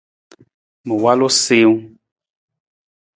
Ma walu siwung.